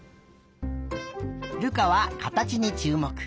瑠珂はかたちにちゅうもく。